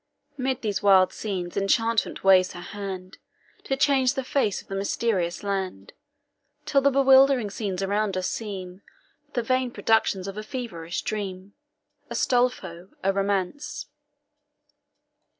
'Mid these wild scenes Enchantment waves her hand, To change the face of the mysterious land; Till the bewildering scenes around us seem The Vain productions of a feverish dream. ASTOLPHO, A ROMANCE.